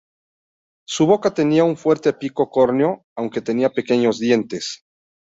Su boca tenía un fuerte pico córneo, aunque tenía pequeños dientes.